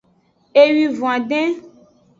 Ewivon adin.